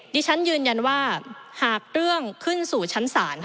ดิฉันยืนยันว่าหากเรื่องขึ้นสู่ชั้นศาล